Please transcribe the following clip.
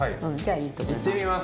いってみます。